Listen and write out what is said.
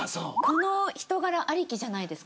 この人柄ありきじゃないですか。